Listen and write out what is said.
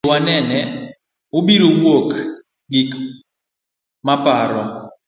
Onego wanene, ubiro wuoro gik maparo.